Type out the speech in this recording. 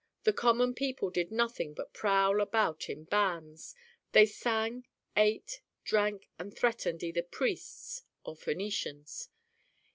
The common people did nothing but prowl about in bands; they sang, ate, drank, and threatened either priests or Phœnicians.